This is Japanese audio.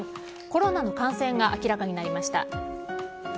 コロナの感染が明らかになりました。